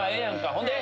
ほんで？